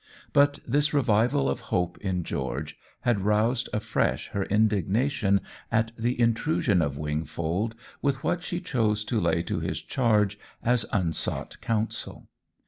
But this revival of hope in George had roused afresh her indignation at the intrusion of Wingfold with what she chose to lay to his charge as unsought counsel.